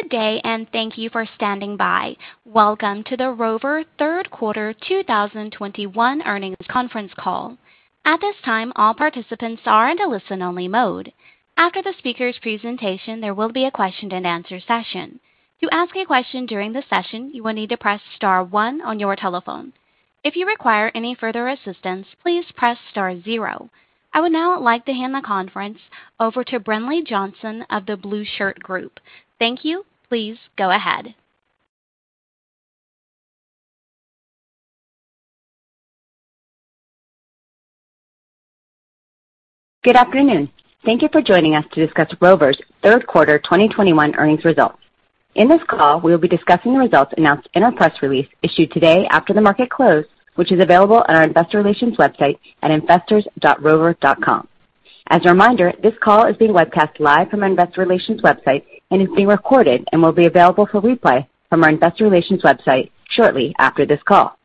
Good day, and thank you for standing by. Welcome to the Rover third quarter 2021 earnings conference call. At this time, all participants are in a listen-only mode. After the speaker's presentation, there will be a question-and-answer session. To ask a question during the session, you will need to press star one on your telephone. If you require any further assistance, please press star zero. I would now like to hand the conference over to Brinlea Johnson of The Blueshirt Group. Thank you. Please go ahead. Good afternoon. Thank you for joining us to discuss Rover's third quarter 2021 earnings results. In this call, we will be discussing the results announced in our press release issued today after the market closed, which is available on our investor relations website at investors.rover.com. As a reminder, this call is being webcast live from our investor relations website and is being recorded and will be available for replay from our investor relations website shortly after this call.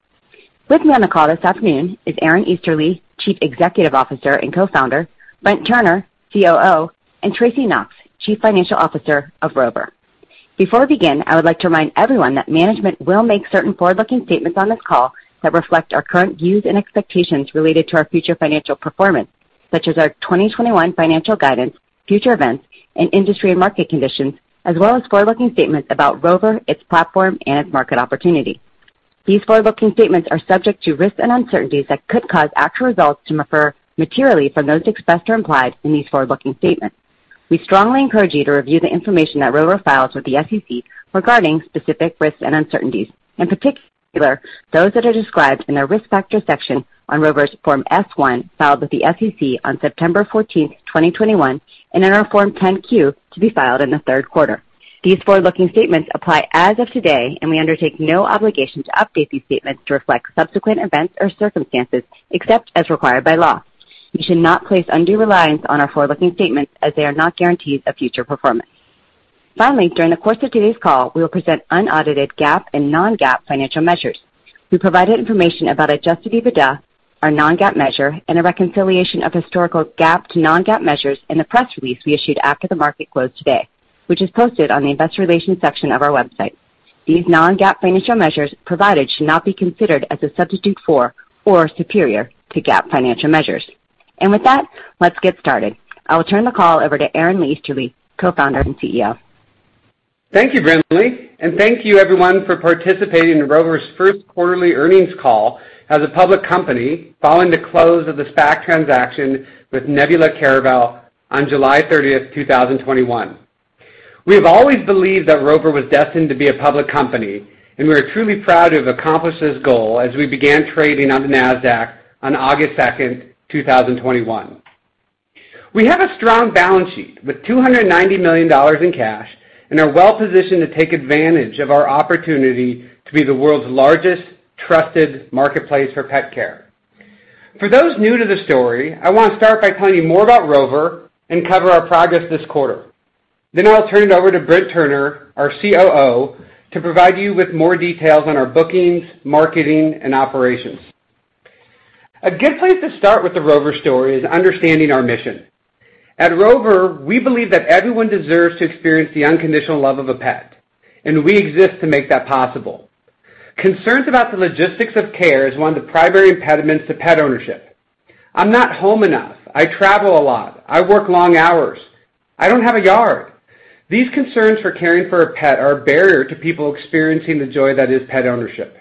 With me on the call this afternoon is Aaron Easterly, Chief Executive Officer and Co-founder, Brent Turner, COO, and Tracy Knox, Chief Financial Officer of Rover. Before we begin, I would like to remind everyone that management will make certain forward-looking statements on this call that reflect our current views and expectations related to our future financial performance, such as our 2021 financial guidance, future events, and industry and market conditions, as well as forward-looking statements about Rover, its platform, and market opportunity. These forward-looking statements are subject to risks and uncertainties that could cause actual results to differ materially from those expressed or implied in these forward-looking statements. We strongly encourage you to review the information that Rover files with the SEC regarding specific risks and uncertainties, in particular, those that are described in our Risk Factors section on Rover's Form S-1 filed with the SEC on September 14, 2021, and in our Form 10-Q to be filed in the third quarter. These forward-looking statements apply as of today, and we undertake no obligation to update these statements to reflect subsequent events or circumstances, except as required by law. You should not place undue reliance on our forward-looking statements as they are not guarantees of future performance. Finally, during the course of today's call, we will present unaudited GAAP and non-GAAP financial measures. We provided information about adjusted EBITDA, our non-GAAP measure, and a reconciliation of historical GAAP to non-GAAP measures in the press release we issued after the market closed today, which is posted on the investor relations section of our website. These non-GAAP financial measures provided should not be considered as a substitute for or superior to GAAP financial measures. With that, let's get started. I will turn the call over to Aaron Easterly, Co-founder and CEO. Thank you, Brinlea, and thank you everyone for participating in Rover's first quarterly earnings call as a public company following the close of the SPAC transaction with Nebula Caravel on July 30, 2021. We have always believed that Rover was destined to be a public company, and we are truly proud to have accomplished this goal as we began trading on the Nasdaq on August 2, 2021. We have a strong balance sheet with $290 million in cash and are well-positioned to take advantage of our opportunity to be the world's largest trusted marketplace for pet care. For those new to the story, I wanna start by telling you more about Rover and cover our progress this quarter. Then I'll turn it over to Brent Turner, our COO, to provide you with more details on our bookings, marketing, and operations. A good place to start with the Rover story is understanding our mission. At Rover, we believe that everyone deserves to experience the unconditional love of a pet, and we exist to make that possible. Concerns about the logistics of care is one of the primary impediments to pet ownership. I'm not home enough. I travel a lot. I work long hours. I don't have a yard. These concerns for caring for a pet are a barrier to people experiencing the joy that is pet ownership.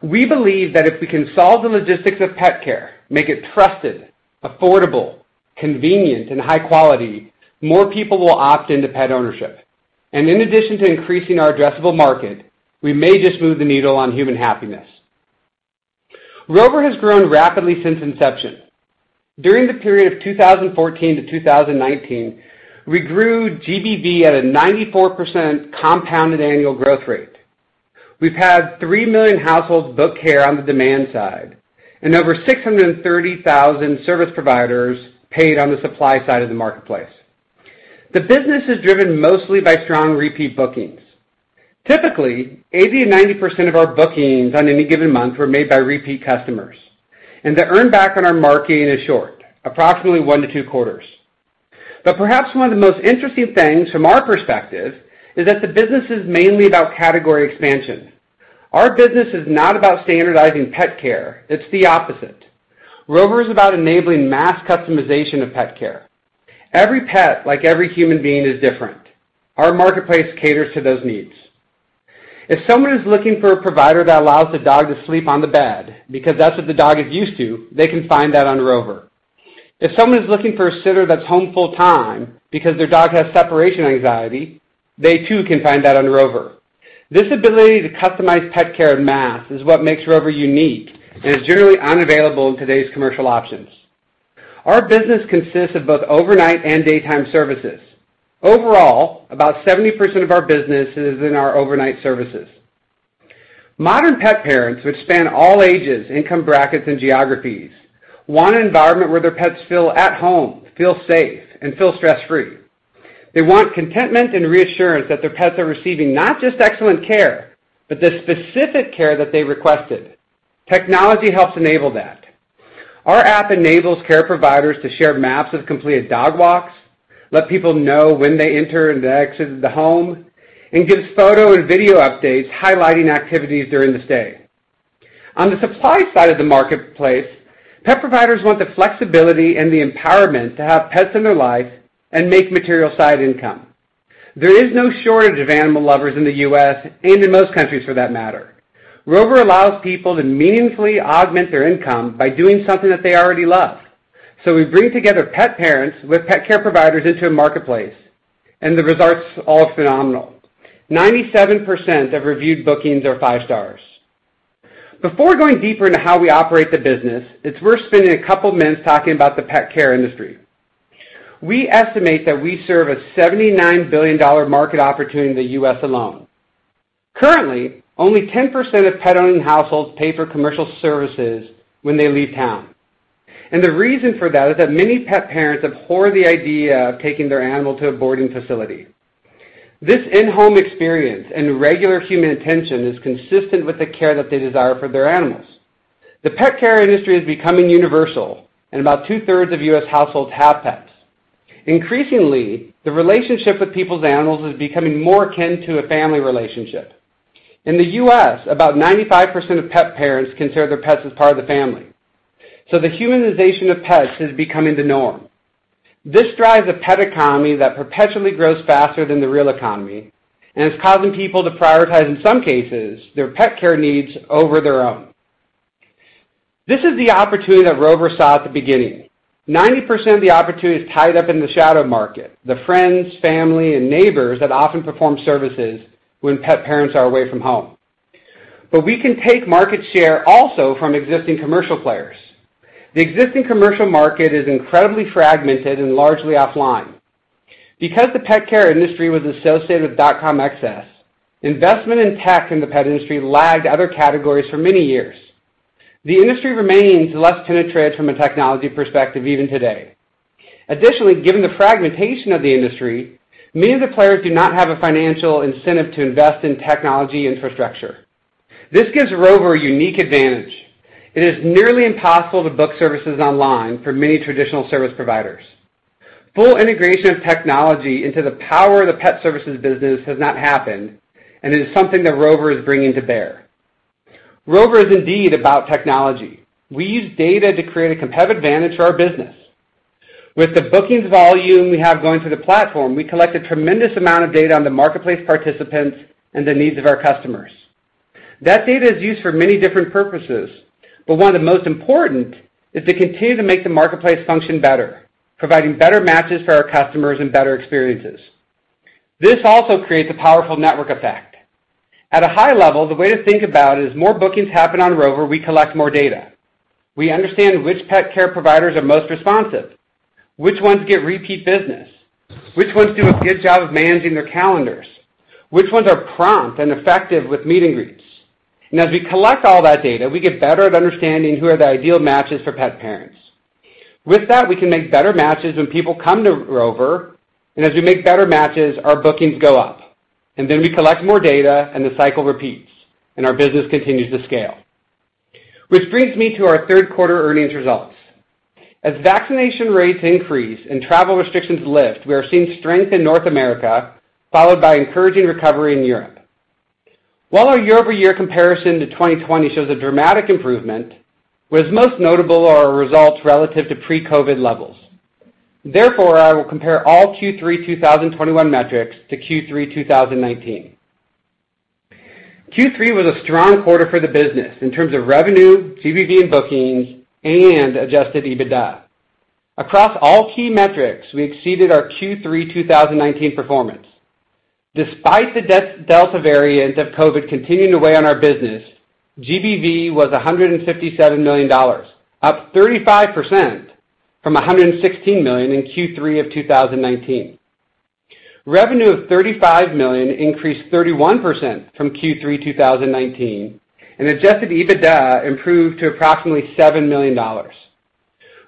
We believe that if we can solve the logistics of pet care, make it trusted, affordable, convenient, and high quality, more people will opt into pet ownership. In addition to increasing our addressable market, we may just move the needle on human happiness. Rover has grown rapidly since inception. During the period of 2014 to 2019, we grew GBV at a 94% compounded annual growth rate. We've had three million households book care on the demand side and over 630,000 service providers paid on the supply side of the marketplace. The business is driven mostly by strong repeat bookings. Typically, 80%-90% of our bookings on any given month were made by repeat customers. The earn back on our marketing is short, approximately one to two quarters. Perhaps one of the most interesting things from our perspective is that the business is mainly about category expansion. Our business is not about standardizing pet care, it's the opposite. Rover is about enabling mass customization of pet care. Every pet, like every human being, is different. Our marketplace caters to those needs. If someone is looking for a provider that allows the dog to sleep on the bed because that's what the dog is used to, they can find that on Rover. If someone is looking for a sitter that's home full-time because their dog has separation anxiety, they too can find that on Rover. This ability to customize pet care en masse is what makes Rover unique and is generally unavailable in today's commercial options. Our business consists of both overnight and daytime services. Overall, about 70% of our business is in our overnight services. Modern pet parents, which span all ages, income brackets, and geographies, want an environment where their pets feel at home, feel safe, and feel stress-free. They want contentment and reassurance that their pets are receiving not just excellent care, but the specific care that they requested. Technology helps enable that. Our app enables care providers to share maps of completed dog walks, let people know when they enter and they exited the home, and gives photo and video updates highlighting activities during the stay. On the supply side of the marketplace, pet providers want the flexibility and the empowerment to have pets in their life and make material side income. There is no shortage of animal lovers in the U.S., and in most countries for that matter. Rover allows people to meaningfully augment their income by doing something that they already love. We bring together pet parents with pet care providers into a marketplace, and the results are phenomenal. 97% of reviewed bookings are five stars. Before going deeper into how we operate the business, it's worth spending a couple minutes talking about the pet care industry. We estimate that we serve a $79 billion market opportunity in the U.S. alone. Currently, only 10% of pet-owning households pay for commercial services when they leave town. The reason for that is that many pet parents abhor the idea of taking their animal to a boarding facility. This in-home experience and regular human attention is consistent with the care that they desire for their animals. The pet care industry is becoming universal, and about 2/3 of U.S. households have pets. Increasingly, the relationship with people's animals is becoming more akin to a family relationship. In the U.S., about 95% of pet parents consider their pets as part of the family. The humanization of pets is becoming the norm. This drives a pet economy that perpetually grows faster than the real economy and is causing people to prioritize, in some cases, their pet care needs over their own. This is the opportunity that Rover saw at the beginning. 90% of the opportunity is tied up in the shadow market, the friends, family, and neighbors that often perform services when pet parents are away from home. We can take market share also from existing commercial players. The existing commercial market is incredibly fragmented and largely offline. Because the pet care industry was associated with dot-com excess, investment in tech in the pet industry lagged other categories for many years. The industry remains less penetrated from a technology perspective even today. Additionally, given the fragmentation of the industry, many of the players do not have a financial incentive to invest in technology infrastructure. This gives Rover a unique advantage. It is nearly impossible to book services online for many traditional service providers. Full integration of technology into the power of the pet services business has not happened and is something that Rover is bringing to bear. Rover is indeed about technology. We use data to create a competitive advantage for our business. With the bookings volume we have going through the platform, we collect a tremendous amount of data on the marketplace participants and the needs of our customers. That data is used for many different purposes, but one of the most important is to continue to make the marketplace function better, providing better matches for our customers and better experiences. This also creates a powerful network effect. At a high level, the way to think about it is the more bookings happen on Rover, we collect more data. We understand which pet care providers are most responsive, which ones get repeat business, which ones do a good job of managing their calendars, which ones are prompt and effective with meet and greets. As we collect all that data, we get better at understanding who are the ideal matches for pet parents. With that, we can make better matches when people come to Rover, and as we make better matches, our bookings go up. Then we collect more data and the cycle repeats, and our business continues to scale. Which brings me to our third quarter earnings results. As vaccination rates increase and travel restrictions lift, we are seeing strength in North America, followed by encouraging recovery in Europe. While our year-over-year comparison to 2020 shows a dramatic improvement, what is most notable are our results relative to pre-COVID levels. Therefore, I will compare all Q3 2021 metrics to Q3 2019. Q3 was a strong quarter for the business in terms of revenue, GBV and bookings, and adjusted EBITDA. Across all key metrics, we exceeded our Q3 2019 performance. Despite the Delta variant of COVID continuing to weigh on our business, GBV was $157 million, up 35% from $116 million in Q3 of 2019. Revenue of $35 million increased 31% from Q3 2019, and adjusted EBITDA improved to approximately $7 million.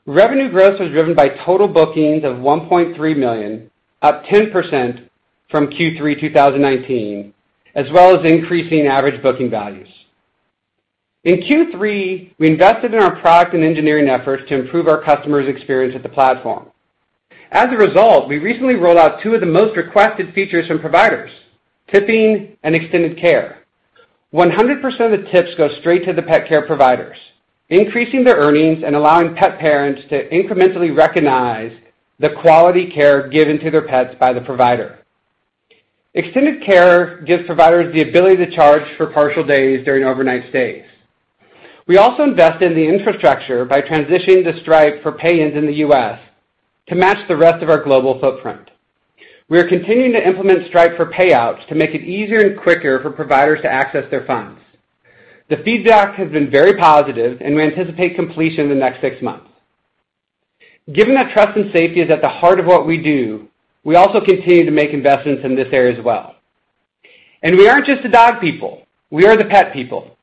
Revenue growth was driven by total bookings of 1.3 million, up 10% from Q3 2019, as well as increasing average booking values. In Q3, we invested in our product and engineering efforts to improve our customers' experience with the platform. As a result, we recently rolled out two of the most requested features from providers, tipping and extended care. 100% of the tips go straight to the pet care providers, increasing their earnings and allowing pet parents to incrementally recognize the quality care given to their pets by the provider. Extended care gives providers the ability to charge for partial days during overnight stays. We also invested in the infrastructure by transitioning to Stripe for pay-ins in the U.S. to match the rest of our global footprint. We are continuing to implement Stripe for payouts to make it easier and quicker for providers to access their funds. The feedback has been very positive, and we anticipate completion in the next six months. Given that trust and safety is at the heart of what we do, we also continue to make investments in this area as well. We aren't just the dog people, we are the pet people.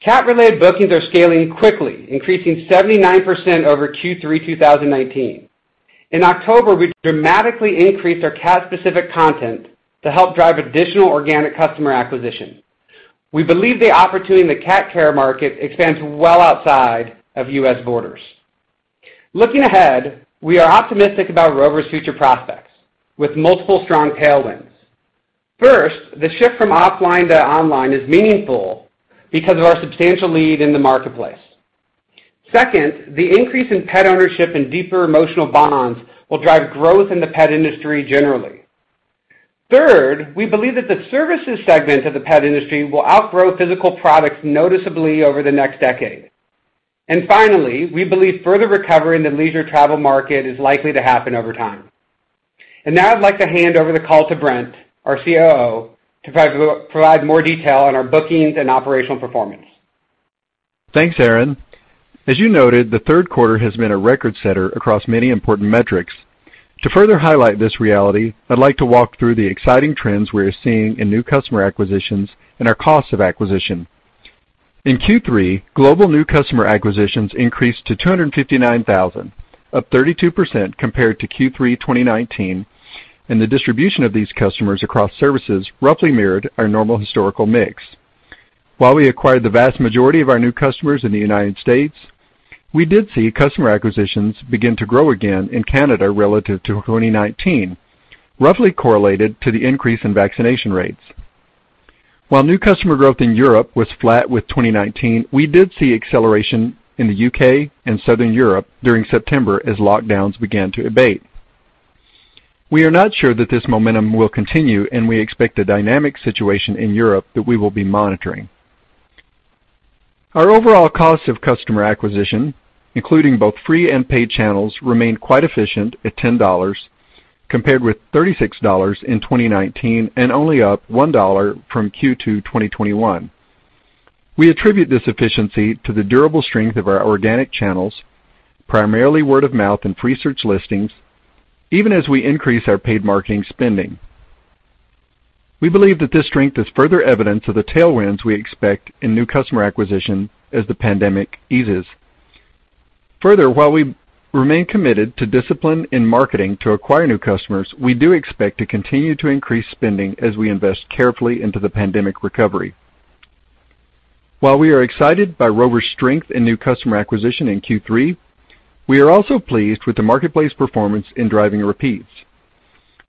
Cat-related bookings are scaling quickly, increasing 79% over Q3 2019. In October, we dramatically increased our cat-specific content to help drive additional organic customer acquisition. We believe the opportunity in the cat care market expands well outside of U.S. borders. Looking ahead, we are optimistic about Rover's future prospects with multiple strong tailwinds. First, the shift from offline to online is meaningful because of our substantial lead in the marketplace. Second, the increase in pet ownership and deeper emotional bonds will drive growth in the pet industry generally. Third, we believe that the services segment of the pet industry will outgrow physical products noticeably over the next decade. Finally, we believe further recovery in the leisure travel market is likely to happen over time. Now I'd like to hand over the call to Brent, our COO, to provide more detail on our bookings and operational performance. Thanks, Aaron. As you noted, the third quarter has been a record-setter across many important metrics. To further highlight this reality, I'd like to walk through the exciting trends we are seeing in new customer acquisitions and our cost of acquisition. In Q3, global new customer acquisitions increased to 259,000, up 32% compared to Q3 2019, and the distribution of these customers across services roughly mirrored our normal historical mix. While we acquired the vast majority of our new customers in the United States, we did see customer acquisitions begin to grow again in Canada relative to 2019, roughly correlated to the increase in vaccination rates. While new customer growth in Europe was flat with 2019, we did see acceleration in the U.K. and Southern Europe during September as lockdowns began to abate. We are not sure that this momentum will continue, and we expect a dynamic situation in Europe that we will be monitoring. Our overall cost of customer acquisition, including both free and paid channels, remained quite efficient at $10, compared with $36 in 2019 and only up $1 from Q2 2021. We attribute this efficiency to the durable strength of our organic channels, primarily word of mouth and free search listings, even as we increase our paid marketing spending. We believe that this strength is further evidence of the tailwinds we expect in new customer acquisition as the pandemic eases. Further, while we remain committed to discipline in marketing to acquire new customers, we do expect to continue to increase spending as we invest carefully into the pandemic recovery. While we are excited by Rover's strength in new customer acquisition in Q3, we are also pleased with the marketplace performance in driving repeats.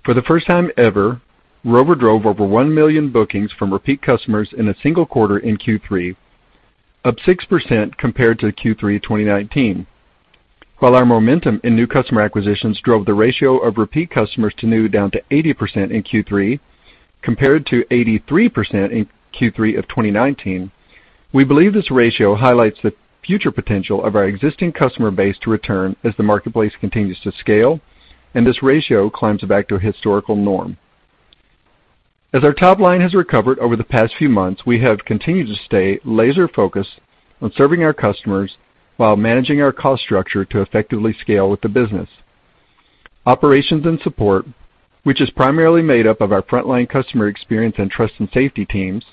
For the first time ever, Rover drove over 1 million bookings from repeat customers in a single quarter in Q3, up 6% compared to Q3 2019. While our momentum in new customer acquisitions drove the ratio of repeat customers to new down to 80% in Q3 compared to 83% in Q3 of 2019, we believe this ratio highlights the future potential of our existing customer base to return as the marketplace continues to scale and this ratio climbs back to a historical norm. As our top line has recovered over the past few months, we have continued to stay laser-focused on serving our customers while managing our cost structure to effectively scale with the business. Operations and support, which is primarily made up of our frontline customer experience and trust and safety teams,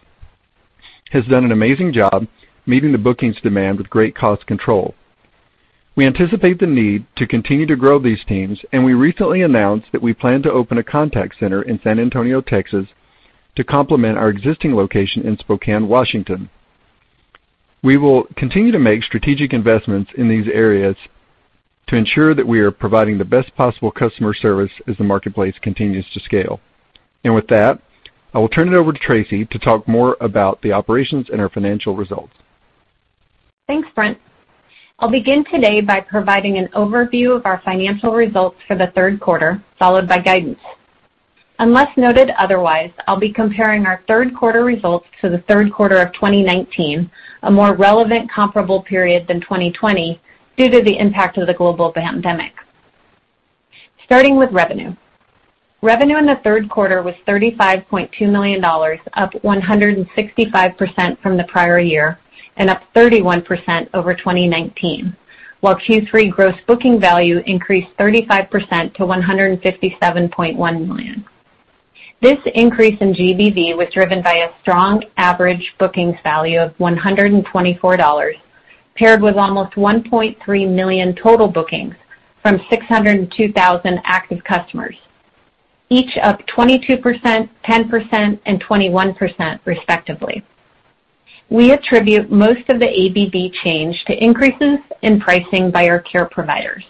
has done an amazing job meeting the bookings demand with great cost control. We anticipate the need to continue to grow these teams, and we recently announced that we plan to open a contact center in San Antonio, Texas, to complement our existing location in Spokane, Washington. We will continue to make strategic investments in these areas to ensure that we are providing the best possible customer service as the marketplace continues to scale. With that, I will turn it over to Tracy to talk more about the operations and our financial results. Thanks, Brent. I'll begin today by providing an overview of our financial results for the third quarter, followed by guidance. Unless noted otherwise, I'll be comparing our third quarter results to the third quarter of 2019, a more relevant comparable period than 2020 due to the impact of the global pandemic. Starting with revenue. Revenue in the third quarter was $35.2 million, up 165% from the prior year and up 31% over 2019, while Q3 gross booking value increased 35% to $157.1 million. This increase in GBV was driven by a strong average bookings value of $124, paired with almost 1.3 million total bookings from 602,000 active customers, each up 22%, 10%, and 21% respectively. We attribute most of the GBV change to increases in pricing by our care providers.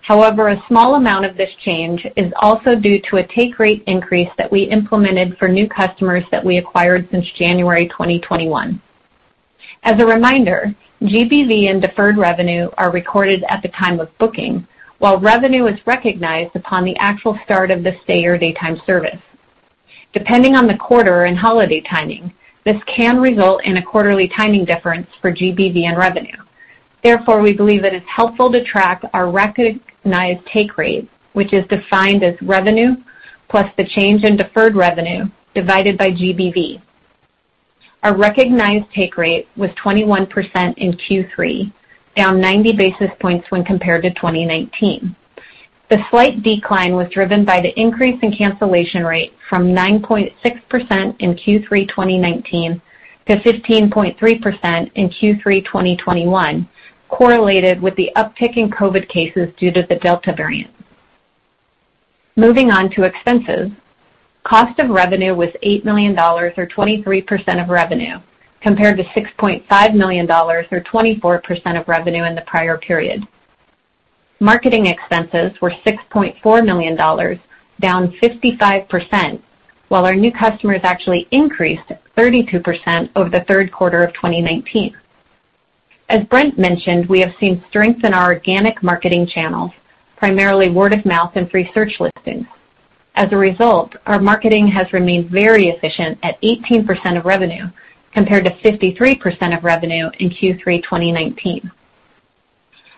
However, a small amount of this change is also due to a take rate increase that we implemented for new customers that we acquired since January 2021. As a reminder, GBV and deferred revenue are recorded at the time of booking, while revenue is recognized upon the actual start of the stay or daytime service. Depending on the quarter and holiday timing, this can result in a quarterly timing difference for GBV and revenue. Therefore, we believe that it's helpful to track our recognized take rate, which is defined as revenue plus the change in deferred revenue divided by GBV. Our recognized take rate was 21% in Q3, down 90 basis points when compared to 2019. The slight decline was driven by the increase in cancellation rate from 9.6% in Q3 2019 to 15.3% in Q3 2021, correlated with the uptick in COVID cases due to the Delta variant. Moving on to expenses. Cost of revenue was $8 million or 23% of revenue, compared to $6.5 million or 24% of revenue in the prior period. Marketing expenses were $6.4 million, down 55%, while our new customers actually increased 32% over the third quarter of 2019. As Brent mentioned, we have seen strength in our organic marketing channels, primarily word of mouth and free search listings. As a result, our marketing has remained very efficient at 18% of revenue compared to 53% of revenue in Q3 2019.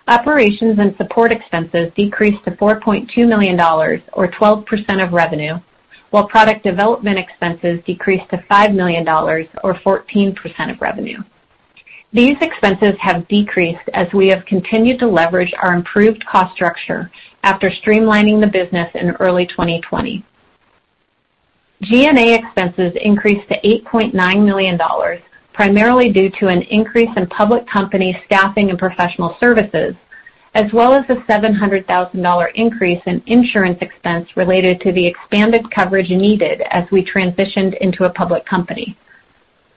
Operations and support expenses decreased to $4.2 million or 12% of revenue, while product development expenses decreased to $5 million or 14% of revenue. These expenses have decreased as we have continued to leverage our improved cost structure after streamlining the business in early 2020. G&A expenses increased to $8.9 million, primarily due to an increase in public company staffing and professional services, as well as a $700,000 increase in insurance expense related to the expanded coverage needed as we transitioned into a public company.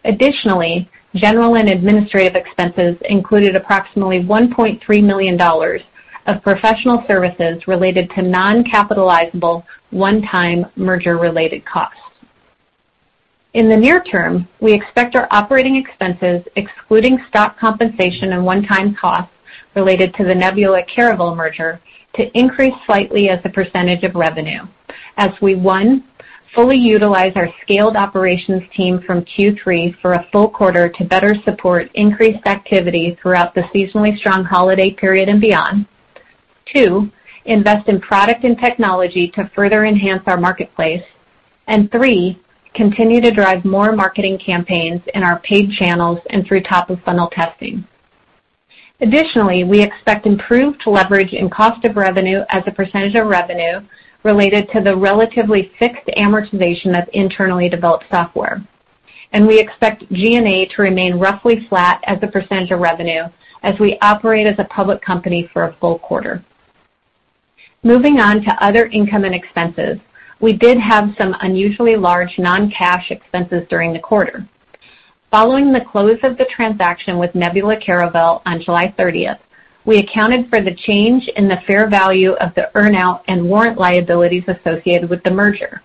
Additionally, general and administrative expenses included approximately $1.3 million of professional services related to non-capitalizable one-time merger-related costs. In the near term, we expect our operating expenses excluding stock compensation and one-time costs related to the Nebula Caravel merger to increase slightly as a percentage of revenue as we one, fully utilize our scaled operations team from Q3 for a full quarter to better support increased activity throughout the seasonally strong holiday period and beyond. Two, invest in product and technology to further enhance our marketplace. Three, continue to drive more marketing campaigns in our paid channels and through top of funnel testing. Additionally, we expect improved leverage in cost of revenue as a percentage of revenue related to the relatively fixed amortization of internally developed software. We expect G&A to remain roughly flat as a percentage of revenue as we operate as a public company for a full quarter. Moving on to other income and expenses, we did have some unusually large non-cash expenses during the quarter. Following the close of the transaction with Nebula Caravel on July 30, we accounted for the change in the fair value of the earn-out and warrant liabilities associated with the merger.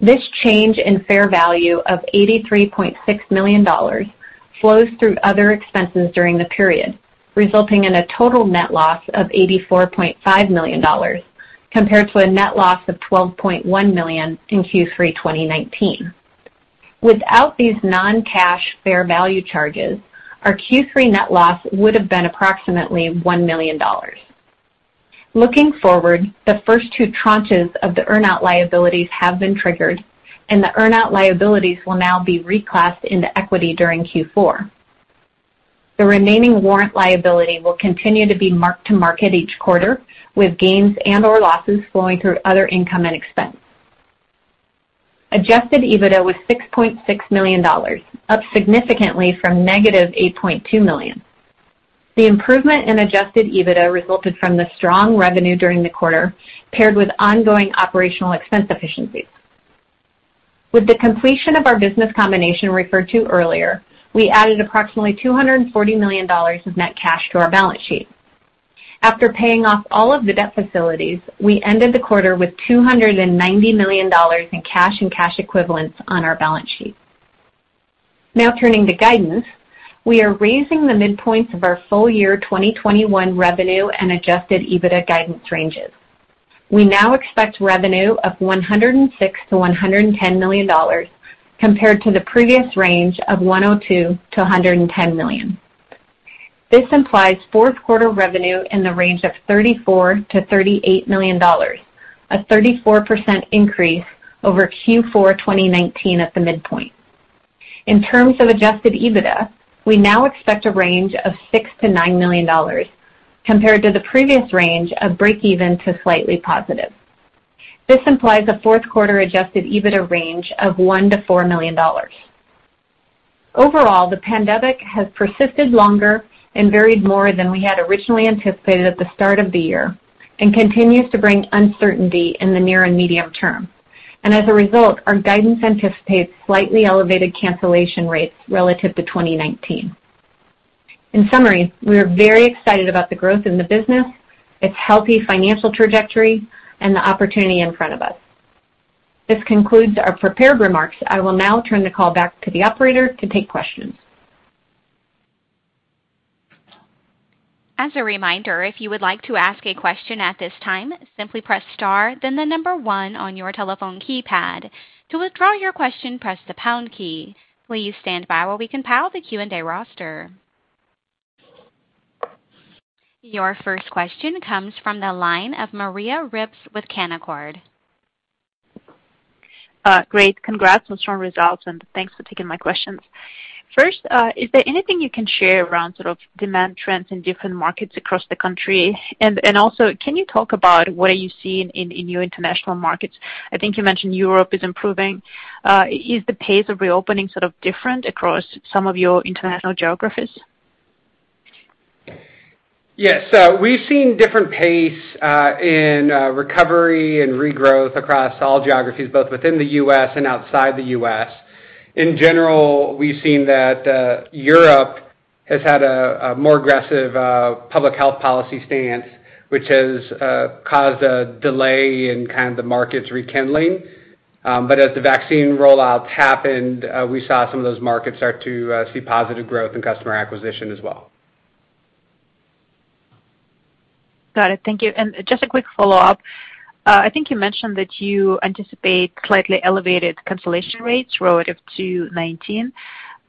This change in fair value of $83.6 million flows through other expenses during the period, resulting in a total net loss of $84.5 million compared to a net loss of $12.1 million in Q3 2019. Without these non-cash fair value charges, our Q3 net loss would have been approximately $1 million. Looking forward, the first two tranches of the earn-out liabilities have been triggered, and the earn-out liabilities will now be reclassed into equity during Q4. The remaining warrant liability will continue to be marked to market each quarter, with gains and/or losses flowing through other income and expense. Adjusted EBITDA was $6.6 million, up significantly from -$8.2 million. The improvement in adjusted EBITDA resulted from the strong revenue during the quarter, paired with ongoing operational expense efficiencies. With the completion of our business combination referred to earlier, we added approximately $240 million of net cash to our balance sheet. After paying off all of the debt facilities, we ended the quarter with $290 million in cash and cash equivalents on our balance sheet. Now turning to guidance, we are raising the midpoints of our full year 2021 revenue and adjusted EBITDA guidance ranges. We now expect revenue of $106 million-$110 million compared to the previous range of $102 million-$110 million. This implies fourth quarter revenue in the range of $34 million-$38 million, a 34% increase over Q4 2019 at the midpoint. In terms of Adjusted EBITDA, we now expect a range of $6 million-$9 million compared to the previous range of break even to slightly positive. This implies a fourth quarter Adjusted EBITDA range of $1 million-$4 million. Overall, the pandemic has persisted longer and varied more than we had originally anticipated at the start of the year and continues to bring uncertainty in the near and medium term. As a result, our guidance anticipates slightly elevated cancellation rates relative to 2019. In summary, we are very excited about the growth in the business, its healthy financial trajectory, and the opportunity in front of us. This concludes our prepared remarks. I will now turn the call back to the operator to take questions. As a reminder, if you would like to ask a question at this time, simply press star then the number one on your telephone keypad. To withdraw your question, press the pound key. Please stand by while we compile the Q&A roster. Your first question comes from the line of Maria Ripps with Canaccord. Great. Congrats on strong results, and thanks for taking my questions. First, is there anything you can share around sort of demand trends in different markets across the country? Can you talk about what are you seeing in your international markets? I think you mentioned Europe is improving. Is the pace of reopening sort of different across some of your international geographies? Yes. We've seen different pace in recovery and regrowth across all geographies, both within the U.S. and outside the U.S. In general, we've seen that Europe has had a more aggressive public health policy stance, which has caused a delay in kind of the markets rekindling. But as the vaccine rollouts happened, we saw some of those markets start to see positive growth and customer acquisition as well. Got it. Thank you. Just a quick follow-up. I think you mentioned that you anticipate slightly elevated cancellation rates relative to 2019.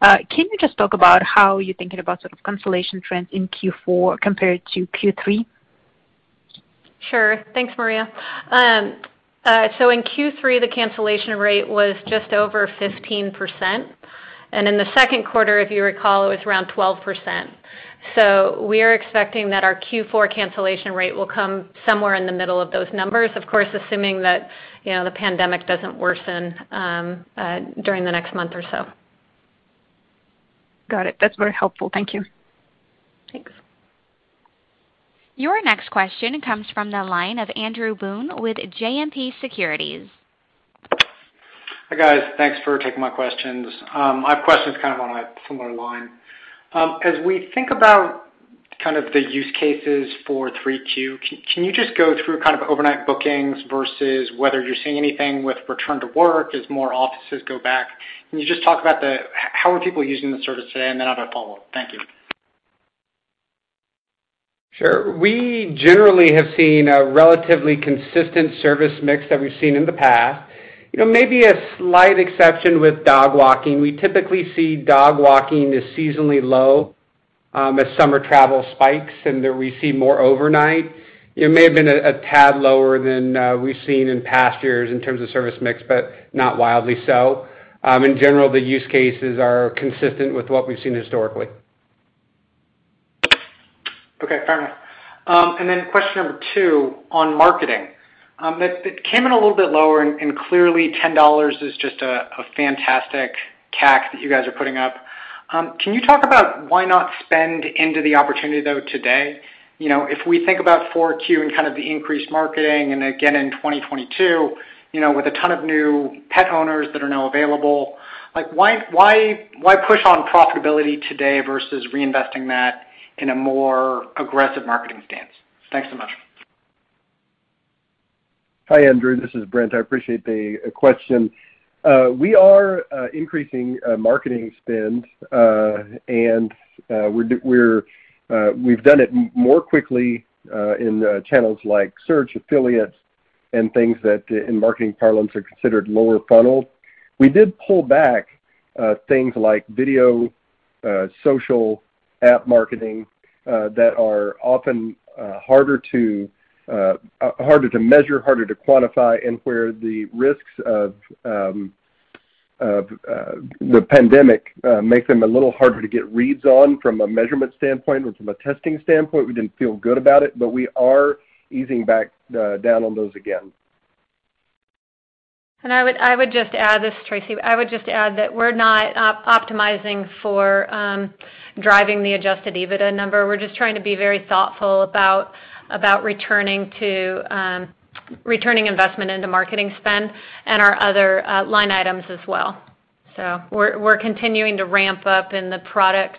Can you just talk about how you're thinking about sort of cancellation trends in Q4 compared to Q3? Sure. Thanks, Maria. In Q3, the cancellation rate was just over 15%, and in the second quarter, if you recall, it was around 12%. We are expecting that our Q4 cancellation rate will come somewhere in the middle of those numbers, of course, assuming that, you know, the pandemic doesn't worsen during the next month or so. Got it. That's very helpful. Thank you. Thanks. Your next question comes from the line of Andrew Boone with JMP Securities. Hi, guys. Thanks for taking my questions. My question is kind of on a similar line. As we think about kind of the use cases for three two, can you just go through kind of overnight bookings versus whether you're seeing anything with return to work as more offices go back? Can you just talk about how people are using the service today? I have a follow-up. Thank you. Sure. We generally have seen a relatively consistent service mix that we've seen in the past. You know, maybe a slight exception with dog walking. We typically see dog walking is seasonally low, as summer travel spikes, and there we see more overnight. It may have been a tad lower than we've seen in past years in terms of service mix, but not wildly so. In general, the use cases are consistent with what we've seen historically. Okay. Fair enough. Then question number two on marketing. It came in a little bit lower, and clearly $10 is just a fantastic CAC that you guys are putting up. Can you talk about why not spend into the opportunity though today? You know, if we think about 4Q and kind of the increased marketing and again in 2022, you know, with a ton of new pet owners that are now available, like why push on profitability today versus reinvesting that in a more aggressive marketing stance? Thanks so much. Hi, Andrew. This is Brent. I appreciate the question. We are increasing marketing spend, and we're, we've done it more quickly in channels like search, affiliates and things that in marketing parlance are considered lower funnel. We did pull back things like video, social app marketing that are often harder to measure, harder to quantify, and where the risks of the pandemic make them a little harder to get reads on from a measurement standpoint or from a testing standpoint. We didn't feel good about it, but we are easing back down on those again. I would just add. This is Tracy. I would just add that we're not optimizing for driving the Adjusted EBITDA number. We're just trying to be very thoughtful about returning to returning investment into marketing spend and our other line items as well. We're continuing to ramp up in the product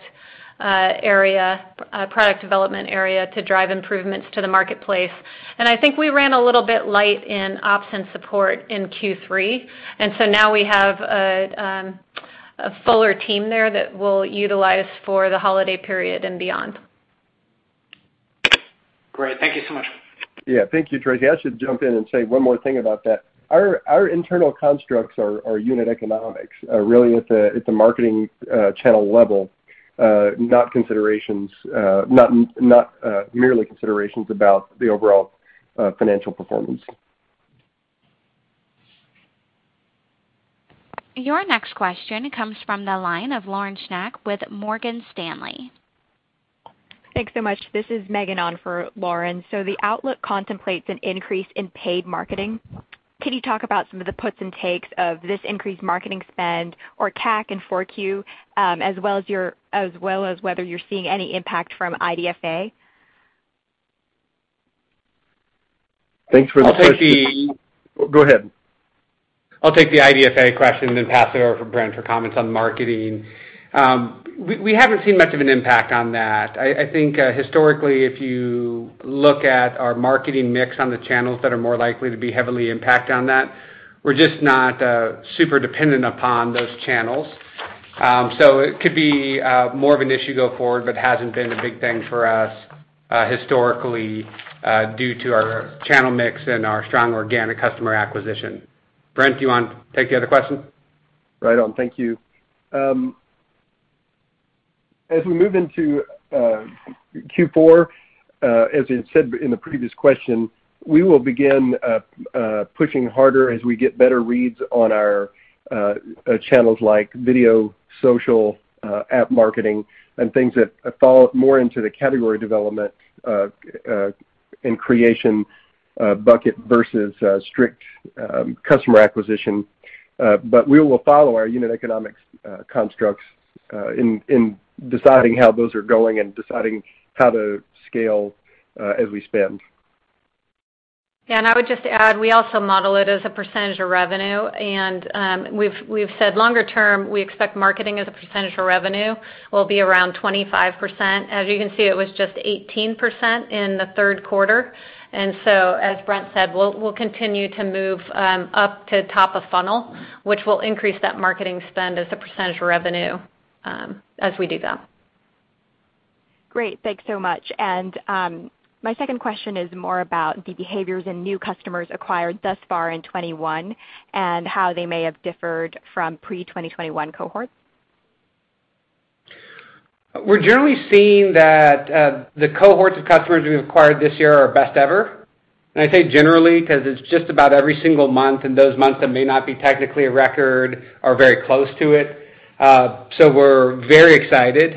area, product development area to drive improvements to the marketplace. I think we ran a little bit light in ops and support in Q3, and so now we have a fuller team there that we'll utilize for the holiday period and beyond. Great. Thank you so much. Yeah. Thank you, Tracy. I should jump in and say one more thing about that. Our internal constructs are unit economics really at the marketing channel level, not merely considerations about the overall financial performance. Your next question comes from the line of Lauren Schenk with Morgan Stanley. Thanks so much. This is Megan on for Lauren. The outlook contemplates an increase in paid marketing. Could you talk about some of the puts and takes of this increased marketing spend or CAC in 4Q, as well as whether you're seeing any impact from IDFA? Thanks for the question. Go ahead. I'll take the IDFA question and then pass it over for Brent for comments on marketing. We haven't seen much of an impact on that. I think historically, if you look at our marketing mix on the channels that are more likely to be heavily impacted on that, we're just not super dependent upon those channels. It could be more of an issue go forward, but hasn't been a big thing for us historically due to our channel mix and our strong organic customer acquisition. Brent, do you wanna take the other question? Right on. Thank you. As we move into Q4, as you said in the previous question, we will begin pushing harder as we get better reads on our channels like video, social, app marketing and things that fall more into the category development and creation bucket versus strict customer acquisition. But we will follow our unit economics constructs in deciding how those are going and deciding how to scale as we spend. Yeah, I would just add, we also model it as a percentage of revenue, and we've said longer term, we expect marketing as a percentage of revenue will be around 25%. As you can see, it was just 18% in the third quarter. As Brent said, we'll continue to move up to top of funnel, which will increase that marketing spend as a percentage of revenue, as we do that. Great. Thanks so much. My second question is more about the behaviors in new customers acquired thus far in 2021 and how they may have differed from pre-2021 cohorts. We're generally seeing that the cohorts of customers we've acquired this year are our best ever. I say generally, 'cause it's just about every single month, and those months that may not be technically a record are very close to it. We're very excited.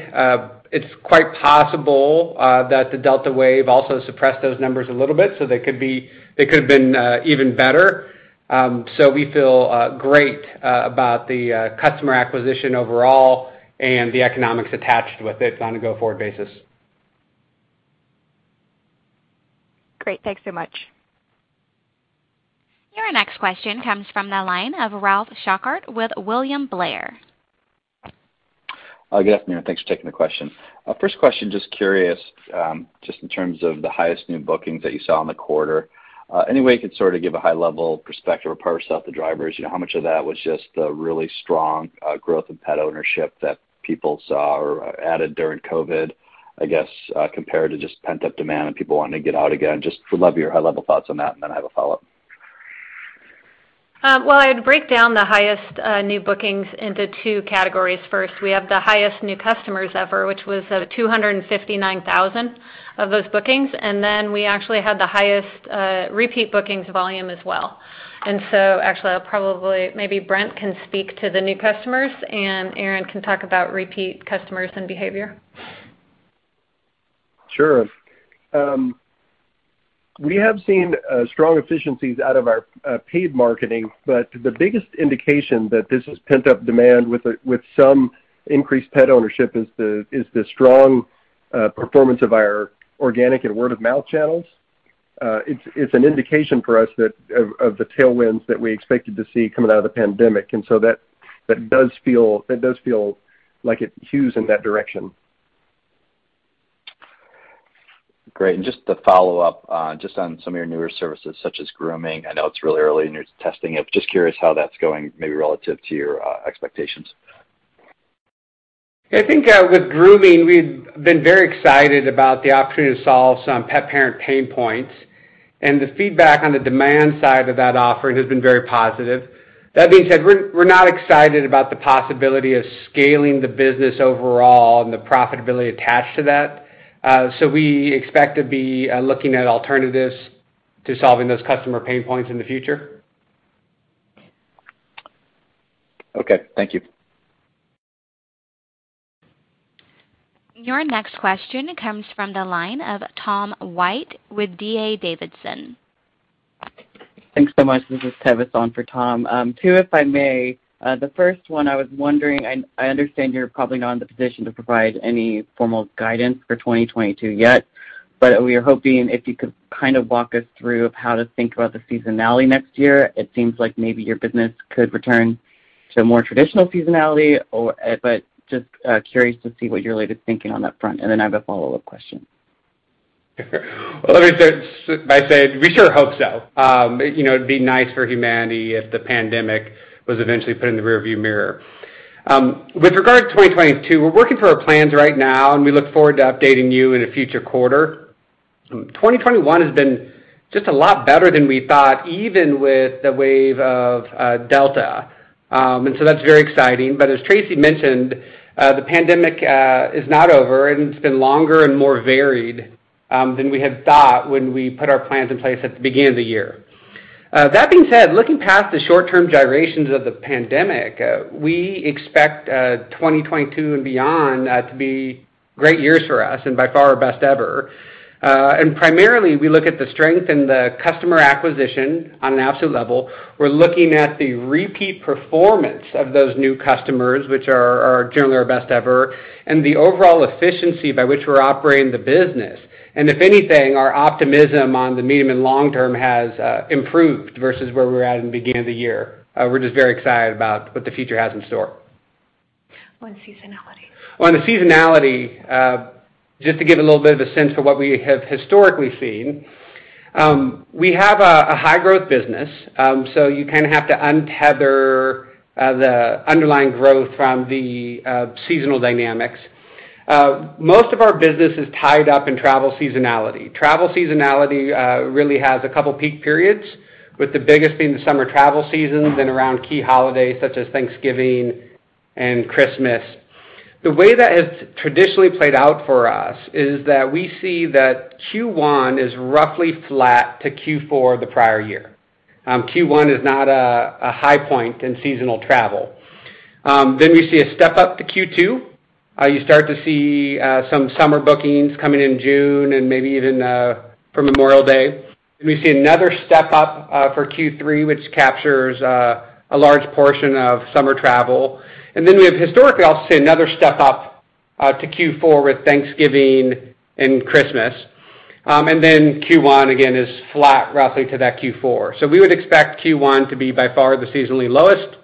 It's quite possible that the Delta wave also suppressed those numbers a little bit, so they could have been even better. We feel great about the customer acquisition overall and the economics attached with it on a go-forward basis. Great. Thanks so much. Your next question comes from the line of Ralph Schackart with William Blair. Good afternoon. Thanks for taking the question. First question, just curious, just in terms of the highest new bookings that you saw in the quarter, any way you could sort of give a high-level perspective or parse out the drivers? You know, how much of that was just the really strong growth in pet ownership that people saw or added during COVID, compared to just pent-up demand and people wanting to get out again. Just would love your high-level thoughts on that, and then I have a follow-up. Well, I'd break down the highest new bookings into two categories. First, we have the highest new customers ever, which was 259,000 of those bookings. Then we actually had the highest repeat bookings volume as well. Actually, maybe Brent can speak to the new customers, and Aaron can talk about repeat customers and behavior. Sure. We have seen strong efficiencies out of our paid marketing, but the biggest indication that this is pent-up demand with some increased pet ownership is the strong performance of our organic and word-of-mouth channels. It's an indication for us that of the tailwinds that we expected to see coming out of the pandemic. That does feel like it hews in that direction. Great. Just to follow up, just on some of your newer services, such as grooming. I know it's really early, and you're testing it. Just curious how that's going, maybe relative to your expectations. I think, with grooming, we've been very excited about the opportunity to solve some pet parent pain points, and the feedback on the demand side of that offering has been very positive. That being said, we're not excited about the possibility of scaling the business overall and the profitability attached to that. We expect to be looking at alternatives to solving those customer pain points in the future. Okay. Thank you. Your next question comes from the line of Tom White with D.A. Davidson. Thanks so much. This is Tevis on for Tom. Too, if I may. The first one, I was wondering, I understand you're probably not in the position to provide any formal guidance for 2022 yet, but we are hoping if you could kind of walk us through how to think about the seasonality next year. It seems like maybe your business could return to more traditional seasonality. Just curious to see what your latest thinking on that front. I have a follow-up question. Well, let me start by saying we sure hope so. You know, it'd be nice for humanity if the pandemic was eventually put in the rearview mirror. With regard to 2022, we're working through our plans right now, and we look forward to updating you in a future quarter. 2021 has been just a lot better than we thought, even with the wave of Delta. That's very exciting. As Tracy mentioned, the pandemic is not over, and it's been longer and more varied than we had thought when we put our plans in place at the beginning of the year. That being said, looking past the short-term gyrations of the pandemic, we expect 2022 and beyond to be great years for us, and by far our best ever. Primarily, we look at the strength in the customer acquisition on an absolute level. We're looking at the repeat performance of those new customers, which are generally our best ever, and the overall efficiency by which we're operating the business. If anything, our optimism on the medium and long term has improved versus where we were at in the beginning of the year. We're just very excited about what the future has in store. On seasonality. On the seasonality, just to give a little bit of a sense for what we have historically seen, we have a high growth business, so you kind of have to untether the underlying growth from the seasonal dynamics. Most of our business is tied up in travel seasonality. Travel seasonality really has a couple peak periods, with the biggest being the summer travel season, then around key holidays such as Thanksgiving and Christmas. The way that has traditionally played out for us is that we see that Q1 is roughly flat to Q4 the prior year. Q1 is not a high point in seasonal travel. We see a step up to Q2. You start to see some summer bookings coming in June and maybe even for Memorial Day. We see another step up for Q3, which captures a large portion of summer travel. We have historically, I'll say, another step up to Q4 with Thanksgiving and Christmas. Q1 again is flat roughly to that Q4. We would expect Q1 to be by far the seasonally lowest,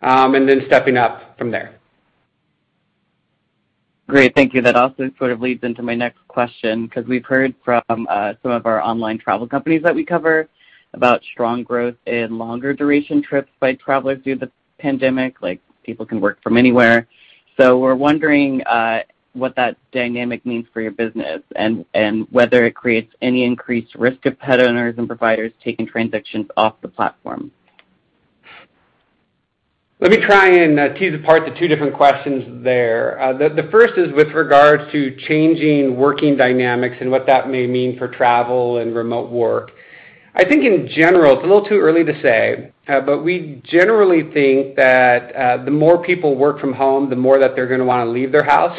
and then stepping up from there. Great. Thank you. That also sort of leads into my next question, because we've heard from some of our online travel companies that we cover about strong growth in longer duration trips by travelers due to the pandemic, like people can work from anywhere. We're wondering what that dynamic means for your business and whether it creates any increased risk of pet owners and providers taking transactions off the platform. Let me try and tease apart the two different questions there. The first is with regards to changing working dynamics and what that may mean for travel and remote work. I think in general, it's a little too early to say, but we generally think that the more people work from home, the more that they're gonna wanna leave their house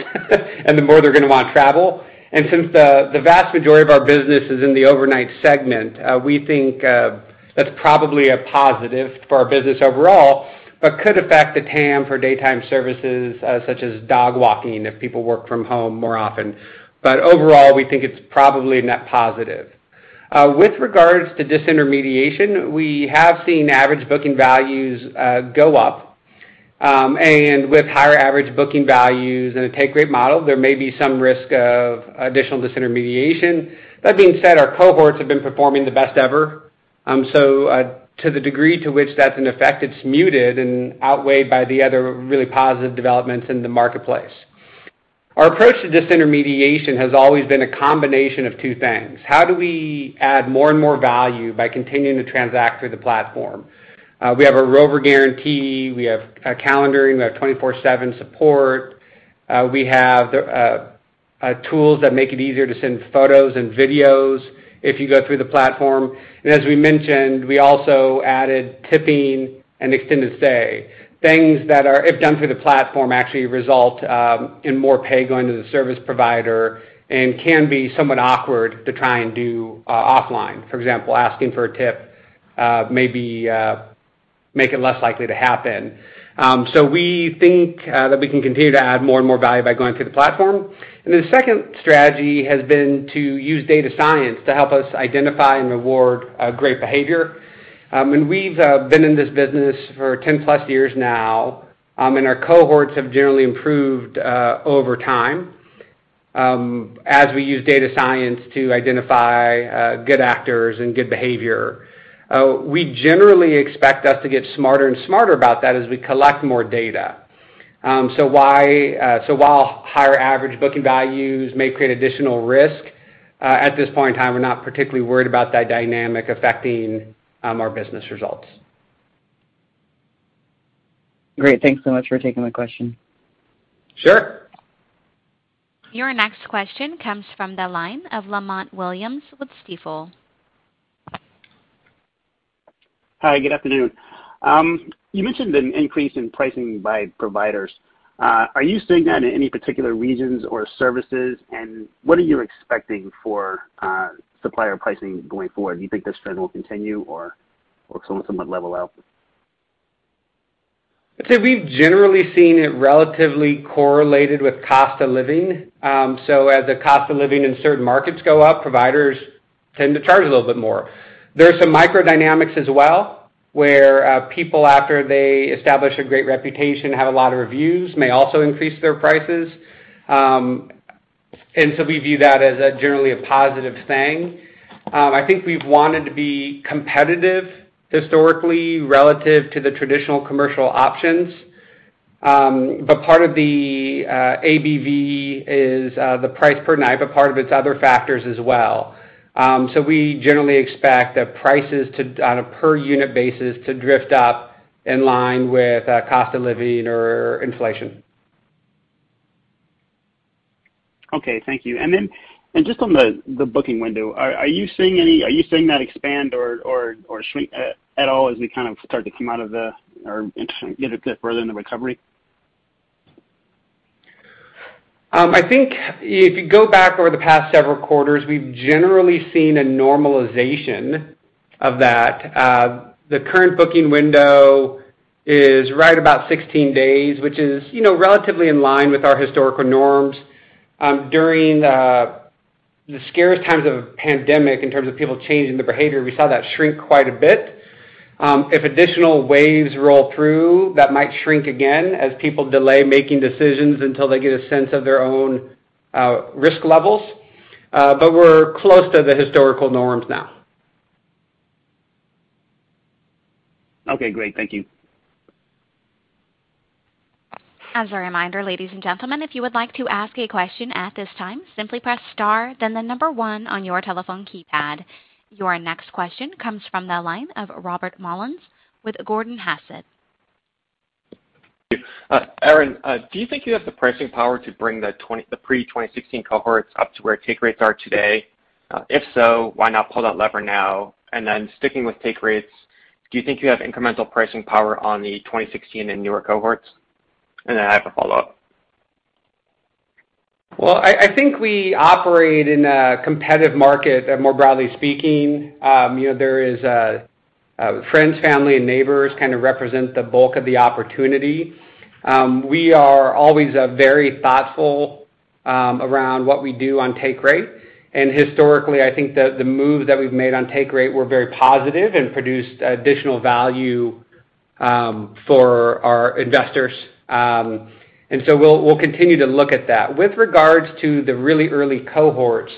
and the more they're gonna wanna travel. Since the vast majority of our business is in the overnight segment, we think that's probably a positive for our business overall, but could affect the TAM for daytime services, such as dog walking if people work from home more often. Overall, we think it's probably a net positive. With regards to disintermediation, we have seen average booking values go up. With higher average booking values and a take rate model, there may be some risk of additional disintermediation. That being said, our cohorts have been performing the best ever. To the degree to which that's an effect, it's muted and outweighed by the other really positive developments in the marketplace. Our approach to disintermediation has always been a combination of two things. How do we add more and more value by continuing to transact through the platform? We have a Rover Guarantee, we have a calendar, we have 24/7 support. We have tools that make it easier to send photos and videos if you go through the platform. As we mentioned, we also added tipping and extended stay, things that are, if done through the platform, actually result in more pay going to the service provider and can be somewhat awkward to try and do offline. For example, asking for a tip maybe make it less likely to happen. We think that we can continue to add more and more value by going through the platform. Then the second strategy has been to use data science to help us identify and reward great behavior. We've been in this business for 10+ years now, and our cohorts have generally improved over time, as we use data science to identify good actors and good behavior. We generally expect us to get smarter and smarter about that as we collect more data. While higher average booking values may create additional risk, at this point in time, we're not particularly worried about that dynamic affecting our business results. Great. Thanks so much for taking my question. Sure. Your next question comes from the line of Lamont Williams with Stifel. Hi, good afternoon. You mentioned an increase in pricing by providers. Are you seeing that in any particular regions or services? What are you expecting for supplier pricing going forward? Do you think this trend will continue or will somewhat level out? I'd say we've generally seen it relatively correlated with cost of living. As the cost of living in certain markets go up, providers tend to charge a little bit more. There are some microdynamics as well, where people, after they establish a great reputation, have a lot of reviews, may also increase their prices. We view that as a generally positive thing. I think we've wanted to be competitive historically relative to the traditional commercial options. Part of the ABV is the price per night, but part of it's other factors as well. We generally expect that prices, on a per unit basis, to drift up in line with cost of living or inflation. Okay. Thank you. Then just on the booking window, are you seeing that expand or shrink at all as we kind of start to come out of the Delta or get a bit further in the recovery? I think if you go back over the past several quarters, we've generally seen a normalization of that. The current booking window is right about 16 days, which is, you know, relatively in line with our historical norms. During the scariest times of the pandemic in terms of people changing their behavior, we saw that shrink quite a bit. If additional waves roll through, that might shrink again as people delay making decisions until they get a sense of their own risk levels. We're close to the historical norms now. Okay, great. Thank you. As a reminder, ladies and gentlemen, if you would like to ask a question at this time, simply press star then the number one on your telephone keypad. Your next question comes from the line of Robert Mollins with Gordon Haskett. Aaron, do you think you have the pricing power to bring the pre-2016 cohorts up to where take rates are today? If so, why not pull that lever now? Sticking with take rates, do you think you have incremental pricing power on the 2016 and newer cohorts? I have a follow-up. Well, I think we operate in a competitive market, more broadly speaking. You know, friends, family and neighbors kind of represent the bulk of the opportunity. We are always very thoughtful around what we do on take rate. Historically, I think the moves that we've made on take rate were very positive and produced additional value for our investors. We'll continue to look at that. With regards to the really early cohorts,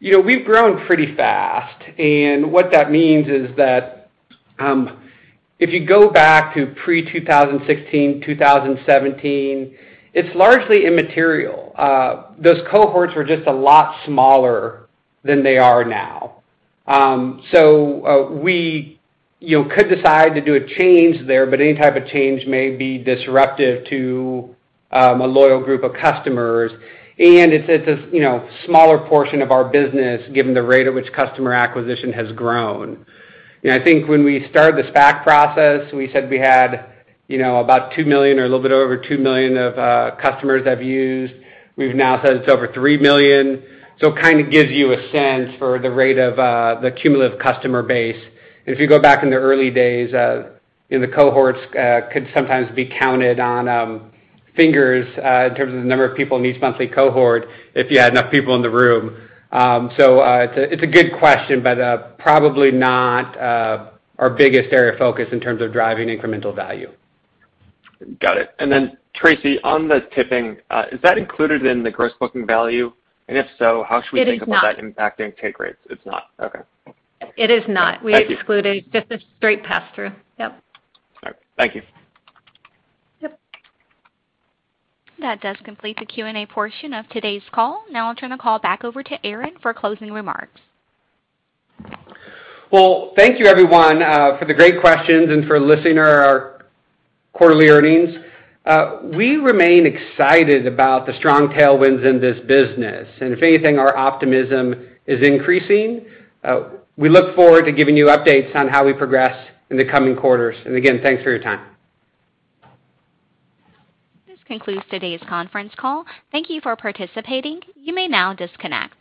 you know, we've grown pretty fast, and what that means is that if you go back to pre-2016, 2017, it's largely immaterial. Those cohorts were just a lot smaller than they are now. We, you know, could decide to do a change there, but any type of change may be disruptive to a loyal group of customers. It's a you know smaller portion of our business, given the rate at which customer acquisition has grown. You know, I think when we started the SPAC process, we said we had you know about 2 million or a little bit over 2 million of customers that have used. We've now said it's over 3 million. It kinda gives you a sense for the rate of the cumulative customer base. If you go back in the early days, you know, the cohorts could sometimes be counted on fingers in terms of the number of people in each monthly cohort if you had enough people in the room. It's a good question, but probably not our biggest area of focus in terms of driving incremental value. Got it. Then Tracy, on the tipping, is that included in the Gross Booking Value? If so, how should we- It is not. Think about that impacting take rates? It's not. Okay. It is not. Thank you. We exclude it. Just a straight pass-through. Yep. All right. Thank you. Yep. That does complete the Q&A portion of today's call. Now I'll turn the call back over to Aaron for closing remarks. Well, thank you everyone for the great questions and for listening to our quarterly earnings. We remain excited about the strong tailwinds in this business. If anything, our optimism is increasing. We look forward to giving you updates on how we progress in the coming quarters. Again, thanks for your time. This concludes today's conference call. Thank you for participating. You may now disconnect.